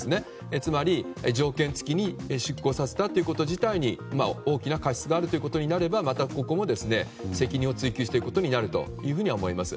つまり条件付きに出港させたこと自体に大きな過失があるとなればまたここも責任を追求していくことになると思います。